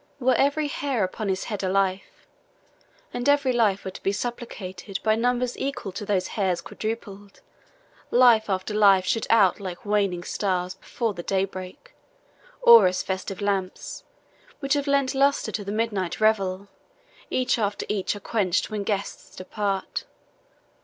Were every hair upon his head a life, And every life were to be supplicated By numbers equal to those hairs quadrupled, Life after life should out like waning stars Before the daybreak or as festive lamps, Which have lent lustre to the midnight revel, Each after each are quench'd when guests depart!